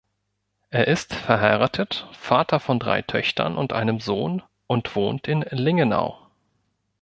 Er ist verheiratet, Vater von drei Töchtern und einem Sohn und wohnt in Lingenau.